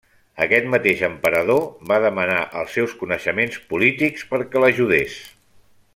Aquest mateix emperador va demanar els seus coneixements polítics perquè l'ajudés.